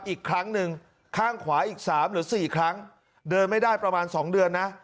อีกครั้งหนึ่งข้างขวาอีก๓หรือ๔ครั้งเดินไม่ได้ประมาณ๒เดือนนะ